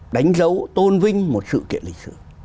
đánh dấu tôn vinh một sự kiện lịch sử